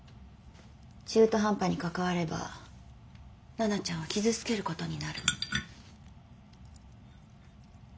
中途半端に関われば奈々ちゃんを傷つけることになる。